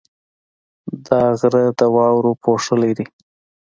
دا غره د واورو پوښلی دی.